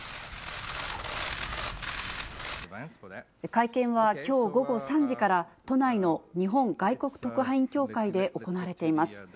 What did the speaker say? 会見はきょう午後３時から、都内の日本外国特派員協会で行われています。